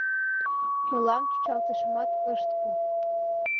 Мылам чӱчалтышымат ышт пу.